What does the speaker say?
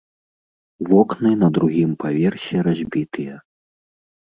Вокны на другім паверсе разбітыя.